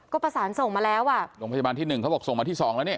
ก็ประสานส่งมาแล้วอ่ะโรงพยาบาลที่หนึ่งเขาบอกส่งมาที่สองแล้วเนี่ย